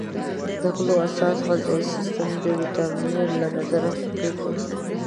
د غلو اساس غذایي سیستم د ویټامینونو له نظره فقیر دی.